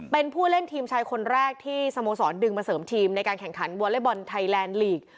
เป็นผู้เล่นทีมชายคนแรกที่สโมสรดึงมาเสริมทีมในการแข่งขันวอเล็กบอลไทยแลนดลีก